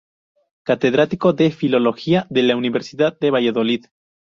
Catedrático de Filología de la Universidad de Valladolid.